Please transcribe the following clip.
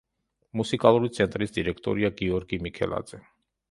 მუსიკალური ცენტრის დირექტორია გიორგი მიქელაძე.